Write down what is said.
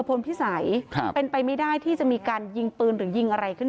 พลพิสัยเป็นไปไม่ได้ที่จะมีการยิงปืนหรือยิงอะไรขึ้นมา